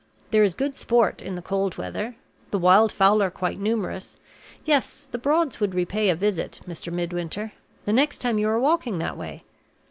There is good sport in the cold weather. The wild fowl are quite numerous. Yes; the Broads would repay a visit, Mr. Midwinter. The next time you are walking that way.